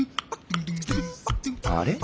あれ？